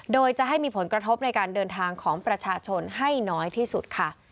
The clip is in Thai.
โดยจะให้มีผลกระทบในการเดินทางของประชาชนให้น้อยที่สุดค่ะ